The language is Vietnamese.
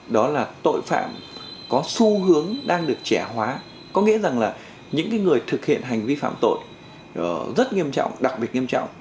đó là tội phạm có xu hướng đang được trẻ hóa có nghĩa rằng là những người thực hiện hành vi phạm tội rất nghiêm trọng đặc biệt nghiêm trọng